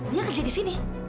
dia kerja disini